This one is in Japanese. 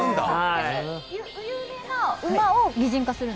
有名な馬を擬人化するの？